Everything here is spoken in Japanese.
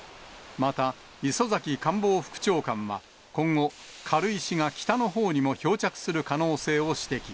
また磯崎官房副長官は、今後、軽石が北のほうにも漂着する可能性を指摘。